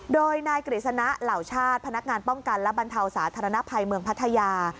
โดยนายกฤษณะเหล่าชาติพนักงานป้องกันและบรรเทาสาธารณภัยเมืองพัทยา